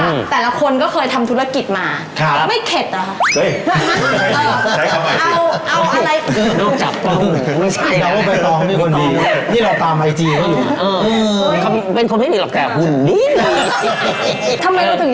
แต่ละคนก็เคยทำธุรกิจมาครับไม่เข็ดเหรอคะ